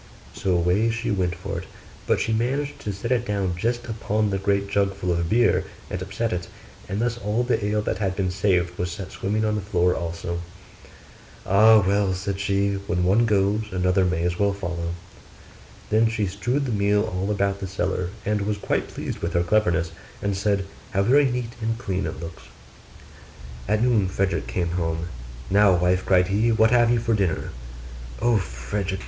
So away she went for it: but she managed to set it down just upon the great jug full of beer, and upset it; and thus all the ale that had been saved was set swimming on the floor also. 'Ah! well,' said she, 'when one goes another may as well follow.' Then she strewed the meal all about the cellar, and was quite pleased with her cleverness, and said, 'How very neat and clean it looks!' At noon Frederick came home. 'Now, wife,' cried he, 'what have you for dinner?' 'O Frederick!